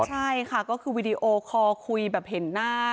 ใช่ค่ะก็คือวีดีโอคอลคุยแบบเห็นหน้า